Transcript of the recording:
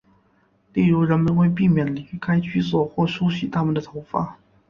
例如人们会避免离开居所或梳洗他们的头发。